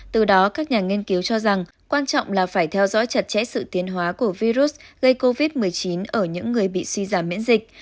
từ đó các nhà nghiên cứu cho rằng quan trọng là phải theo dõi chặt chẽ sự tiến hóa của virus gây covid một mươi chín ở những người bị suy giảm miễn dịch